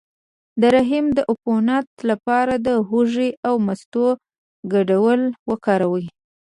د رحم د عفونت لپاره د هوږې او مستو ګډول وکاروئ